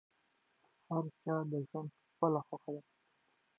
هر څوک خپل ژوند لري.